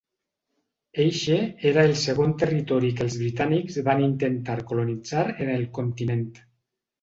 Eixe era el segon territori que els britànics van intentar colonitzar en el continent.